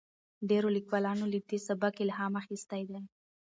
ډیرو لیکوالانو له دې سبک الهام اخیستی دی.